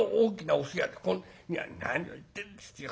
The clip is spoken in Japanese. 「何を言ってんですよ。